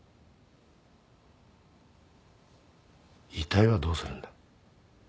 遺体はどうするんだ。